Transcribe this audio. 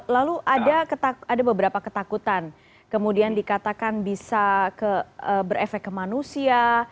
lalu ada beberapa ketakutan kemudian dikatakan bisa berefek ke manusia